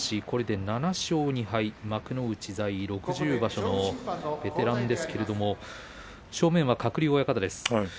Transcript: これで７勝２敗、幕内在位６０場所のベテランですけれども正面は鶴竜親方です。